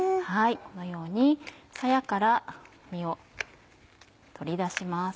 このようにさやから実を取り出します。